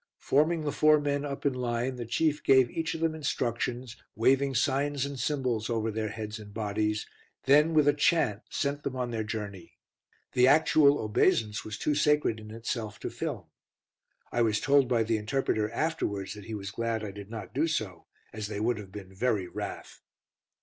Forming the four men up in line, the Chief gave each of them instructions, waving signs and symbols over their heads and bodies, then with a chant sent them on their journey. The actual obeisance was too sacred in itself to film. I was told by the interpreter afterwards that he was glad I did not do so, as they would have been very wrath?